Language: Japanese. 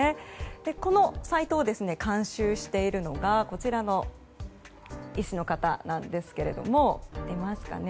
このサイトを監修しているのがこちらの医師の方です。